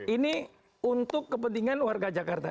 ini untuk kepentingan warga jakarta